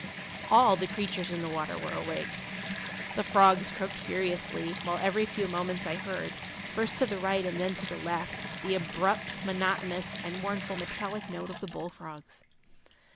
All the creatures in the water were awake. The frogs croaked furiously, while every few moments I heard, first to the right and then to the left, the abrupt, monotonous and mournful metallic note of the bullfrogs.